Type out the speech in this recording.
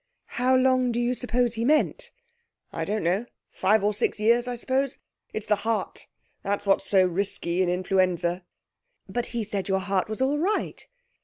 'How long do you suppose he meant?' 'I don't know five or six years, I suppose. It's the heart. That's what's so risky in influenza.' 'But he said your heart was all right.'